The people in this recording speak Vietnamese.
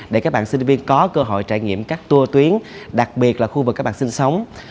để các bạn sinh viên có cơ hội trải nghiệm các tour tuyến đặc biệt là khu vực các bạn sinh sống